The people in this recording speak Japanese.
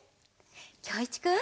きょういちくん。